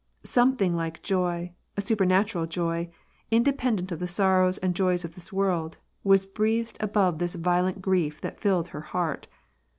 Something like joy, a supei natural joy, indepen dent of the sorrows and joys of this world, was breathed above this violent grief that fiHed her heart.